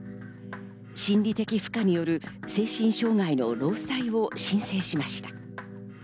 心理的負荷による精神障害の労災を申請しました。